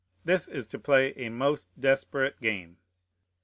This is to play a most desperate game.